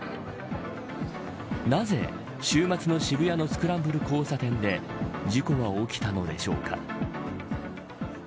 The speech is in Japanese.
なぜ、週末の渋谷のスクランブル交差点で事故は起きたのでしょうか。